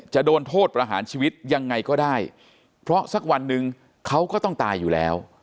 จะโดนโทษประหารชีวิตยังไงก็ได้เพราะสักวันหนึ่งเขาก็ต้องตายอยู่แล้ว